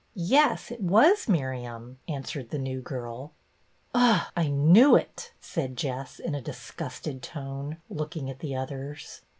"Yes, it was Miriam," answered the new girl. " Ugh ! I knew it," said Jess, in a disgusted tone, looking at the others.